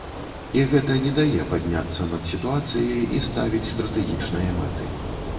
І гэта не дае падняцца над сітуацыяй і ставіць стратэгічныя мэты.